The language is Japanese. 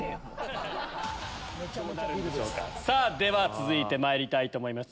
続いてまいりたいと思います